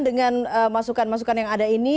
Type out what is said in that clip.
dengan masukan masukan yang ada ini